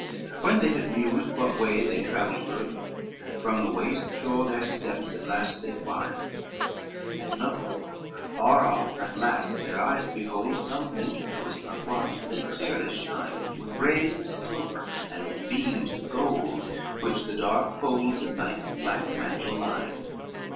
LVII When they had mused what way they travel should, From the west shore their steps at last they twined, And lo, far off at last their eyes behold Something, they wist not what, that clearly shined With rays of silver and with beams of gold Which the dark folds of night's black mantle lined.